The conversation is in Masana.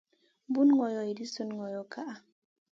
Bun ngolo edii sun ngolo ka ʼa.